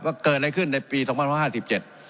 ว่าเกิดได้ขึ้นในปีสองพันธุ์พระห้าสิบเจ็ด